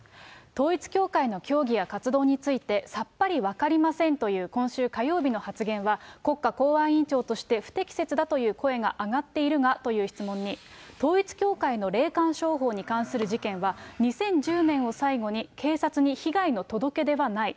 統一教会の教義や活動について、さっぱり分かりませんという今週火曜日の発言は、国家公安委員長として不適切だという声が上がっているがという質問に、統一教会の霊感商法に関する事件は、２０１０年を最後に警察に被害の届け出はない。